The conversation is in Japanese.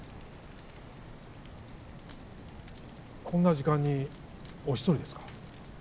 こんな時間にお一人ですか？